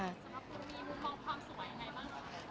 แล้วคุณมีมุมมองความสวยยังไงบ้าง